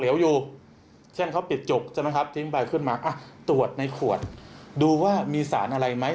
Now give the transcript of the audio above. อยู่เช่นเขาปิดจกใช่ไหมครับทิ้งใบขึ้นมาอ่ะตรวจในขวดดูว่ามีสารอะไรไหม